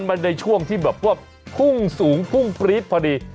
มันในช่วงที่แบบว่าพุ่งสูงพุ่งปรี๊ดพอดี